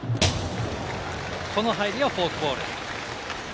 この入りはフォークボール。